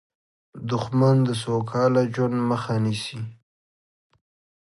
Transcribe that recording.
دښمن د سوکاله ژوند مخه نیسي